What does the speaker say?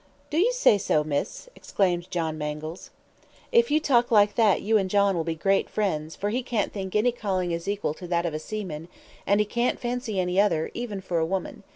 "Do you say so, miss?" exclaimed John Mangles. "If you talk like that you and John will be great friends, for he can't think any calling is equal to that of a seaman; he can't fancy any other, even for a woman.